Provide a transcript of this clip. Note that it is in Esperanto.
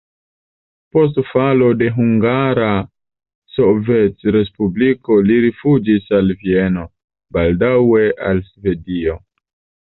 Post falo de Hungara Sovetrespubliko li rifuĝis al Vieno, baldaŭe al Svedio.